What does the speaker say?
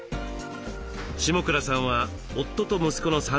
下倉さんは夫と息子の３人家族。